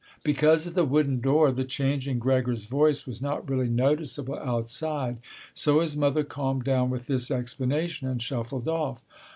Because of the wooden door the change in Gregor's voice was not really noticeable outside, so his mother calmed down with this explanation and shuffled off.